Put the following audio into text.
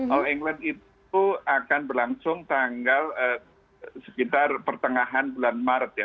all england itu akan berlangsung tanggal sekitar pertengahan bulan maret ya